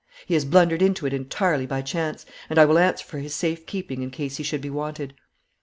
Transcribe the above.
'He has blundered into it entirely by chance, and I will answer for his safe keeping in case he should be wanted.'